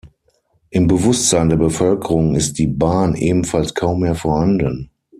Im Bewusstsein der Bevölkerung ist die Bahn ebenfalls kaum mehr vorhanden.